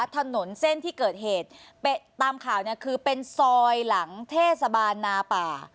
ถนนเส้นที่เกิดเหตุตามข่าวเนี่ยคือเป็นซอยหลังเทศบาลนาป่า